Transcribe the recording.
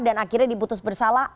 dan akhirnya diputus bersalah